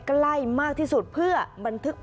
ใกล้มากที่สุดเพื่อบันทึก